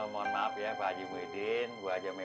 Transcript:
bersama pak haji